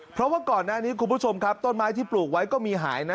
เพราะว่าก่อนหน้านี้คุณผู้ชมครับต้นไม้ที่ปลูกไว้ก็มีหายนะ